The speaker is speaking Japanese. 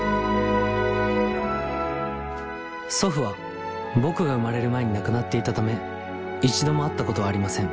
祖父は僕が生まれる前に亡くなっていたため一度も会ったことはありません。